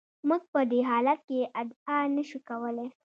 موږ په دې حالت کې ادعا نشو کولای.